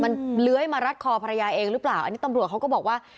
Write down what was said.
มันเลื้อยมารัดคอภรรยาเองหรือเปล่าอันนี้ตำรวจเขาก็บอกว่า